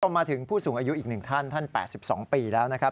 มาถึงผู้สูงอายุอีกหนึ่งท่านท่าน๘๒ปีแล้วนะครับ